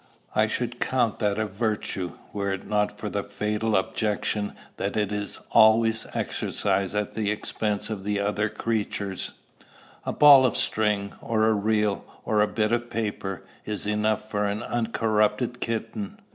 "I should count that a virtue, were it not for the fatal objection that it is always exercised at the expense of other creatures." "A ball of string, or a reel, or a bit of paper, is enough for an uncorrupted kitten."